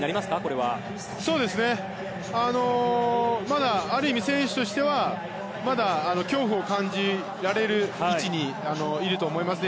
まだ、ある意味、選手としてはまだ恐怖を感じられる位置にいると思います